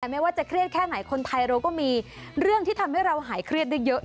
ไม่ว่าจะเครียดแค่ไหนคนไทยเราก็มีเรื่องที่ทำให้เราหายเครียดได้เยอะ